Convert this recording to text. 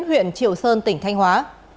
huyện triệu sơn tỉnh thanh hóa